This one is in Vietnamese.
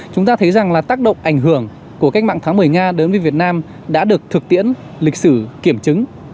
chúng ta thấy rằng là tác động ảnh hưởng của cách mạng tháng một mươi nga đến với việt nam đã được thực tiễn lịch sử kiểm chứng